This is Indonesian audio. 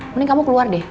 mending kamu keluar deh